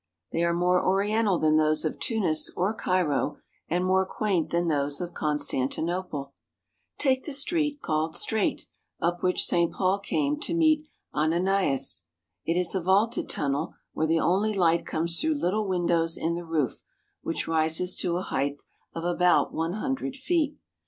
They are more oriental than those of Tunis or Cairo and more quaint than those of Constan tinople. Take the Street called Straight, up which St. Paul came to meet Ananias. It is a vaulted tunnel where the only light comes through little windows in the roof, which rises to a height of about one hundred feet.